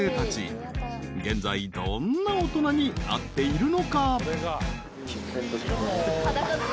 ［現在どんな大人になっているのか？］